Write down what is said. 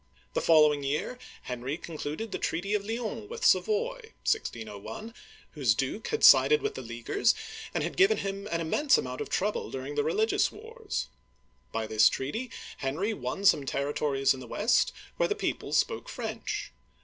The following year Henry concluded the treaty of Lyons with Savoy (1601), whose duke had sided with the Leaguers and had given him an immense amount of trouble during the religious wars. By this treaty, Henry won some territories in the west where the people spoke French.